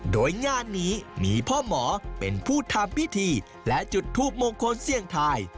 โดยงานนี้มีพ่อหมอเป็นผู้ทำพิธีและจุดทูปมงคลเสี่ยงทาย